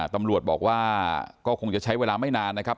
ตำรวจบอกว่าก็คงจะใช้เวลาไม่นานนะครับ